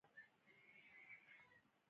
له زندانه تر ازادېدو وروسته لیبیا ته لاړ.